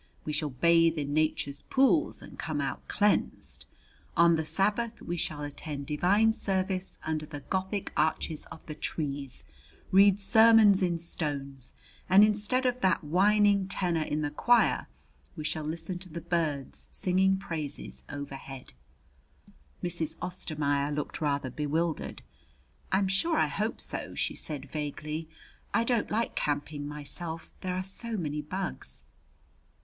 We shall bathe in Nature's pools and come out cleansed. On the Sabbath we shall attend divine service under the Gothic arches of the trees, read sermons in stones, and instead of that whining tenor in the choir we shall listen to the birds singing praise, overhead." Mrs. Ostermaier looked rather bewildered. "I'm sure I hope so," she said vaguely. "I don't like camping myself. There are so many bugs."